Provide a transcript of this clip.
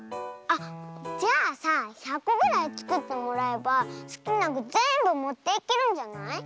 あっじゃあさ１００こぐらいつくってもらえばすきなぐぜんぶもっていけるんじゃない？